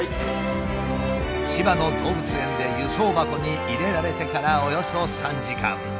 千葉の動物園で輸送箱に入れられてからおよそ３時間。